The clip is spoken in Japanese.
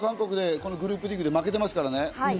グループリーグで負けてますからね。